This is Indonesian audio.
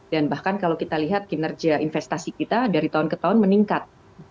dan bahkan kalau kita lihat kinerja investasi kita dari tahun ke tahun meningkat